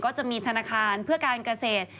จะมีธนาคารเพื่อการเกษตร